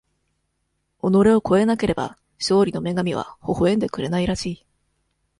己を超えなければ、勝利の女神はほほえんでくれないらしい。